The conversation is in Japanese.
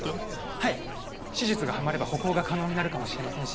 はい手術がはまれば歩行が可能になるかもしれませんし